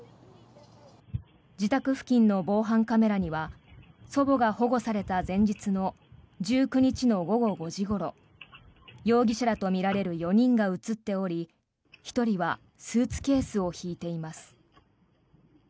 自宅付近の防犯カメラには祖母が保護された前日の１９日の午後５時ごろ容疑者らとみられる４人が映っており１人はスーツケースを引いています。